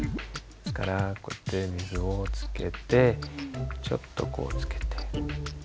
こうやって水をつけてちょっとこうつけて。